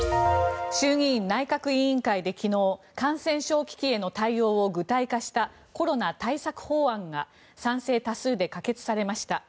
衆議院内閣委員会で昨日感染症危機への対応を具体化したコロナ対策法案が賛成多数で可決されました。